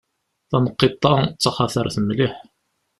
Taneqqiṭ-a d taxatart mliḥ.